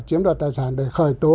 chiếm đoạt tài sản để khởi tố